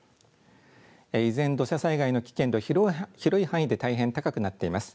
依然、土砂災害の危険度、広い範囲で大変高くなっています。